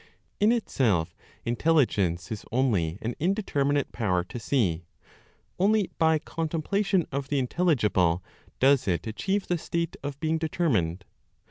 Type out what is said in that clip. In itself, intelligence is only an indeterminate power to see; only by contemplation of the intelligible does it achieve the state of being determined.